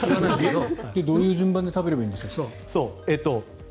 どういう順番で食べればいいんですか？